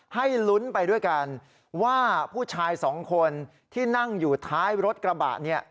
ให้ลุ้นไปด้วยกันว่าผู้ชายสองคนที่นั่งอยู่ท้ายรถกระบะเนี่ย